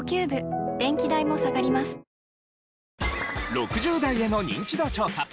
６０代へのニンチド調査。